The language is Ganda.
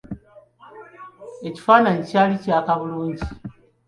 Ekifaananyi kyali kyaka bulungi.